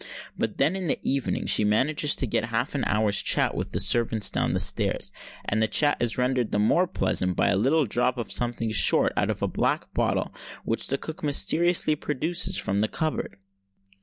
But, then, in the evening she manages to get half an hour's chat with the servants down stairs; and the chat is rendered the more pleasant by a little drop of something short out of a black bottle which the cook mysteriously produces from the cupboard.